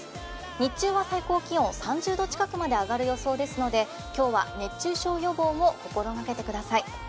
日中は最高気温、３０度近くまで上がる予想ですので今日は熱中症予防も心がけてください。